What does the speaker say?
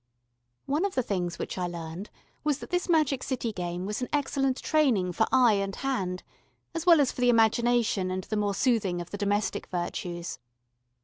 One of the things which I learned was that this magic city game was an excellent training for eye and hand, as well as for the imagination and the more soothing of the domestic virtues.